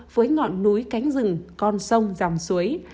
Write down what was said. với ngọn núi cánh rừng con sông dòng suối